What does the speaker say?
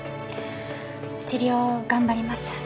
治療頑張ります。